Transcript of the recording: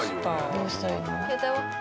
どうしたらいいの？